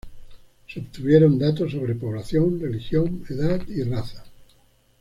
Se obtuvieron datos sobre población, religión, edad, y raza.